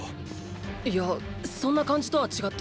いやそんな感じとは違って。